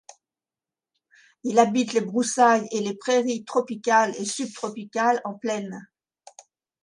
Il habite les broussailles et les prairies tropicales et subtropicales en plaine.